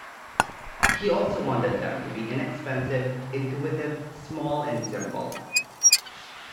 He also wanted them to be inexpensive, intuitive, small, and simple.